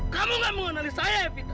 kamu gak mengenali saya evita